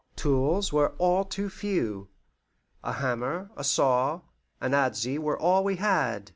Tools were all too few a hammer, a saw, and an adze were all we had.